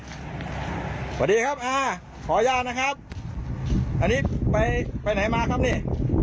สวัสดีครับอ่าขออนุญาตนะครับอันนี้ไปไปไหนมาครับนี่